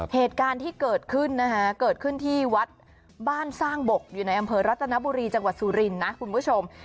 เหตุการณ์ที่เกิดขึ้นนะฮะเกิดขึ้นที่วัดบ้านสร้างบกอยู่ในอำเภอรัตนบุรีจังหวัดสุรินทร์นะคุณผู้ชม